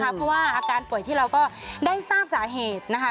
เพราะว่าอาการป่วยที่เราก็ได้ทราบสาเหตุนะคะ